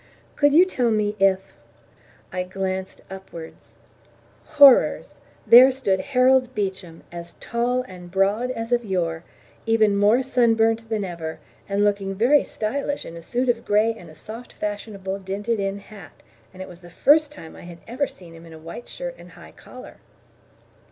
"Could you tell me if " I glanced upwards. Horrors! There stood Harold Beecham, as tall and broad as of yore, even more sunburnt than ever, and looking very stylish in a suit of grey and a soft fashionable dinted in hat; and it was the first time I had ever seen him in a white shirt and high collar.